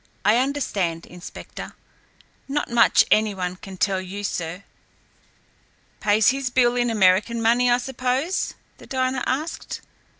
"I understand, Inspector. Not much any one can tell you, sir." "Pays his bill in American money, I suppose?" the diner asked.